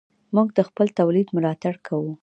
موږ د خپل تولید ملاتړ کوو.